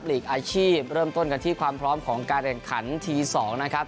ลีกอาชีพเริ่มต้นกันที่ความพร้อมของการแข่งขันที๒นะครับ